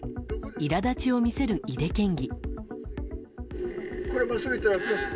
いら立ちを見せる井手県議。